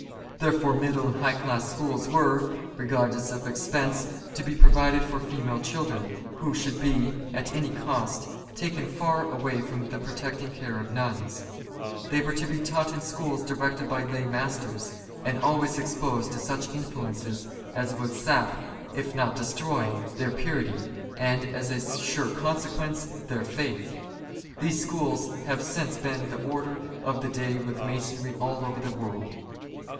Therefore, middle and high class schools were, regardless of expense, to be provided for female children, who should be, at any cost, taken far away from the protecting care of nuns. They were to be taught in schools directed by lay masters, and always exposed to such influences as would sap, if not destroy, their purity, and, as a sure consequence, their faith. These schools have since been the order of the day with Masonry all over the world.